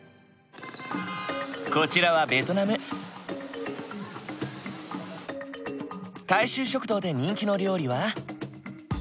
こちらは大衆食堂で人気の料理は。